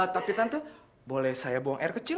tapi tante boleh saya buang air kecil